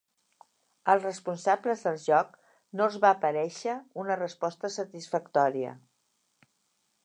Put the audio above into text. Als responsables del joc no els va parèixer una resposta satisfactòria.